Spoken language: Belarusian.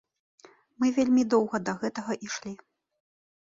Мы вельмі доўга да гэтага ішлі.